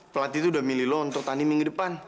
pelatih itu udah milih lo untuk tanding minggu depan